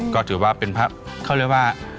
ก็ถือว่าเป็นพระเขาเรียกว่า